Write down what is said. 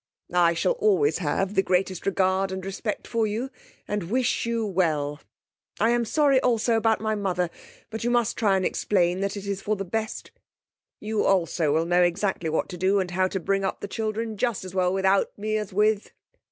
'I shall always have the greatest regard and respect for you, and wish you well. 'I am sorry also about my mother, but you must try and explain that it is for the best. You also will know exactly what to do, and how to bring up the children just as well without me as with.